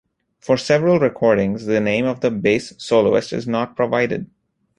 For several recordings, the name of the bass soloist is not provided.